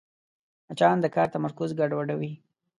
مچان د کار تمرکز ګډوډوي